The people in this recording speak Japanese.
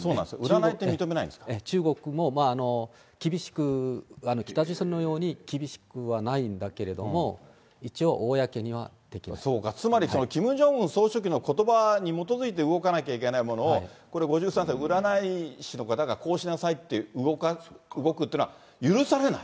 中国も厳しく、北朝鮮のように厳しくはないんだけれども、一応、そうか、つまりキム・ジョンウン総書記のことばに基づいて動かなきゃいけないものを、これ、５３世、占い師の方がこうしなさいって動くっていうのは、許されない。